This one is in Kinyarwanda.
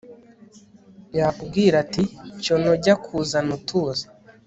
yakubwira ati cyonojya kuzana utuzi